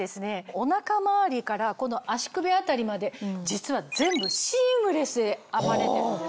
お腹周りからこの足首辺りまで実は全部シームレスで編まれてるんです。